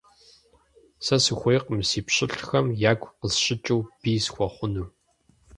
Сэ сыхуейкъым си пщылӀхэм ягу къысщыкӀыу бий схуэхъуну.